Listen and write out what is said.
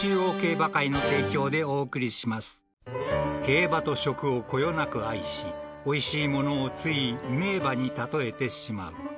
［競馬と食をこよなく愛しおいしいものをつい名馬に例えてしまう］